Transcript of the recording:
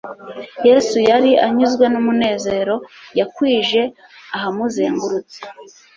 Yesu yari anyuzwe n'umunezero yakwije ahamuzengurutse.